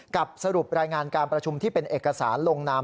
สรุปรายงานการประชุมที่เป็นเอกสารลงนาม